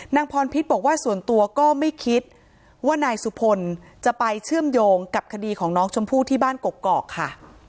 พรพิษบอกว่าส่วนตัวก็ไม่คิดว่านายสุพลจะไปเชื่อมโยงกับคดีของน้องชมพู่ที่บ้านกกอกค่ะ